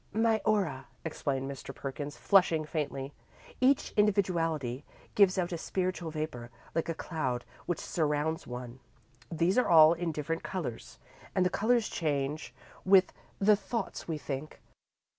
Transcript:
"My aura," explained Mr. Perkins, flushing faintly. "Each individuality gives out a spiritual vapour, like a cloud, which surrounds one. These are all in different colours, and the colours change with the thoughts we think.